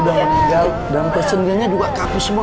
kamu sudah meninggal dan pesenganya juga kapus semua